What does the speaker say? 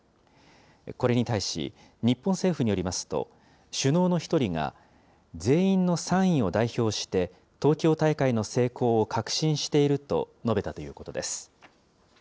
これに対し、日本政府によりますと、首脳の一人が、全員の賛意を代表して、東京大会の成功を確信していると述べたということです。